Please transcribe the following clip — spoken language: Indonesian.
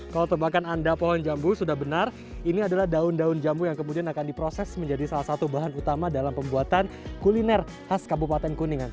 kalau tebakan anda pohon jambu sudah benar ini adalah daun daun jambu yang kemudian akan diproses menjadi salah satu bahan utama dalam pembuatan kuliner khas kabupaten kuningan